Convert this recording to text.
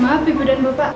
maaf ibu dan bapak